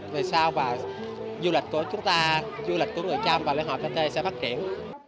về sao và du lịch của chúng ta du lịch của người tràm và lễ hội cà tê sẽ phát triển